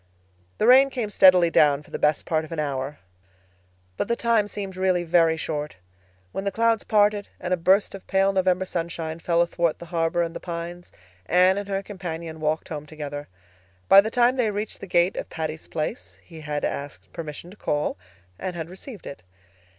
The rain came steadily down for the best part of an hour. But the time seemed really very short. When the clouds parted and a burst of pale November sunshine fell athwart the harbor and the pines Anne and her companion walked home together. By the time they had reached the gate of Patty's Place he had asked permission to call, and had received it.